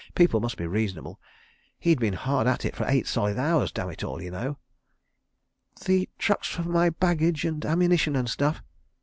People must be reasonable—he'd been hard at it for eight solid hours damitall y'know. "The trucks for my baggage and ammunition and stuff."